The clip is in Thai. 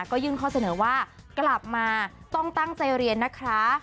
ก็ยื่นข้อเสนอว่ากลับมาต้องตั้งใจเรียนนะคะ